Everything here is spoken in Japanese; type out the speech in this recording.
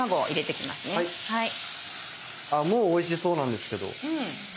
あっもうおいしそうなんですけど。